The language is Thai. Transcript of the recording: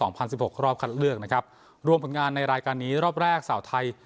พันสิบหกรอบคัดเลือกนะครับรวมผลงานในรายการนี้รอบแรกสาวไทย